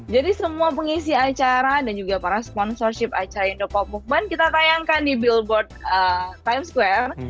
jadi semua pengisi acara dan juga para sponsorship acara indopop movement kita tayangkan di billboard times square